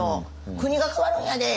「国が変わるんやで！